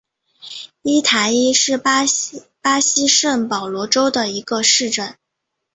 伊塔伊是巴西圣保罗州的一个市镇。